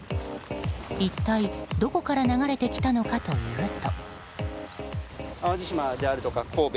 一体どこから流れてきたのかというと。